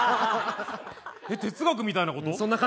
えっ、哲学みたいなこと？